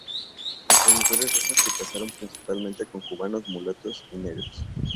Las mujeres rusas se casaron principalmente con cubanos mulatos y negros.